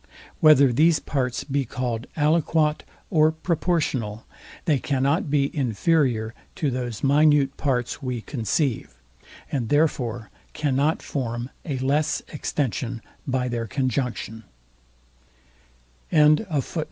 Whether these parts be calld ALIQUOT or PROPORTIONAL, they cannot be inferior to those minute parts we conceive; and therefore cannot form a less extension by their conjunction.